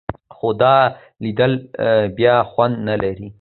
خو دا لیدل بېل خوند لري.